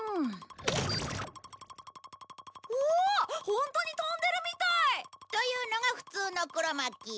ホントに飛んでるみたい！というのが普通のクロマキー。